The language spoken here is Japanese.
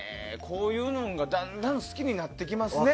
こういうのがだんだん好きになってきますね。